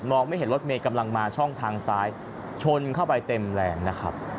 ไม่เห็นรถเมย์กำลังมาช่องทางซ้ายชนเข้าไปเต็มแรงนะครับ